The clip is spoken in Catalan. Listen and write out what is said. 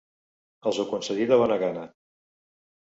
Els ho concedí de bona gana.